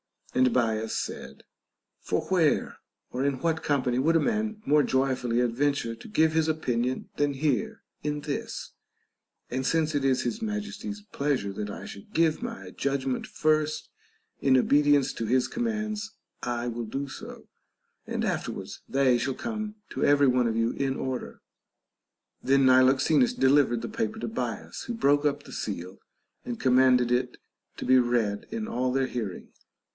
And Bias said : For where or in what company would a man more joyfully adventure to give his opinion than here in this 1 And since it is his Majesty's pleasure that I should give my judgment first, in obedience to his commands I will do so, and afterwards they shall come to every one of you in order. Then Niloxenus delivered the paper to Bias, who broke up the seal and commanded it to be read in all their hear ing.